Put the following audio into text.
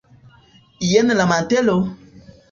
jen la mantelo!